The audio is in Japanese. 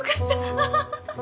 アハハハ！